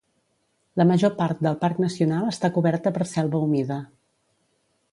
La major part del parc nacional està coberta per selva humida.